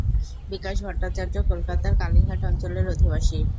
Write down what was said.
বিকাশ ভট্টাচার্য কলকাতার কালীঘাট অঞ্চলের অধিবাসী।